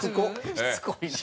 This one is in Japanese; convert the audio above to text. しつこいな。